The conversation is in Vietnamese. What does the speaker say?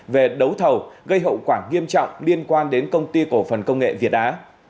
về đấu thầu gây hậu quả nghiêm trọng liên quan đến công ty cổ phần công nghệ việt á